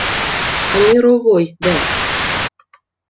— А Міровой де?